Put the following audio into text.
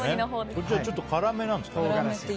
こっちはちょっと辛めなんですかね？